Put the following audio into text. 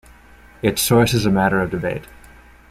Its source is a matter of debate.